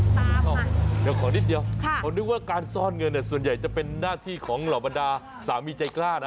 เดี๋ยวขอนิดเดียวผมนึกว่าการซ่อนเงินเนี่ยส่วนใหญ่จะเป็นหน้าที่ของเหล่าบรรดาสามีใจกล้านะ